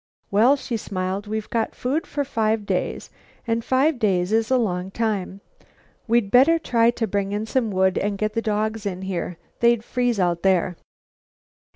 Well," she smiled, "we've got food for five days, and five days is a long time. We'd better try to bring in some wood, and get the dogs in here; they'd freeze out there."